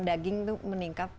daging itu meningkat